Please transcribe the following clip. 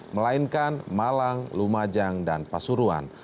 melainkan malang lumajang dan pasuruan